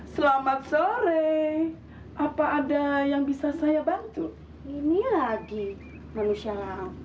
selamat sore apa ada yang bisa saya bantu ini lagi manusia lama